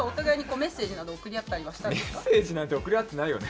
「メッセージなんて送り合ってないよね？」